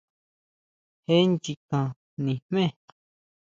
Jé nchikan nijme.